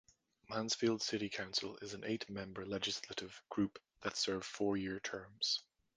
Mansfield city council is an eight-member legislative group that serve four-year terms.